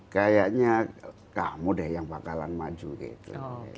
kayaknya kamu deh yang bakalan maju gitu